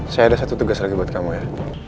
saya ada satu tugas lagi buat kamu ya